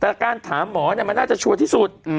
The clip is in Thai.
แต่การถามหมอมันน่าจะชัวร์ที่สุด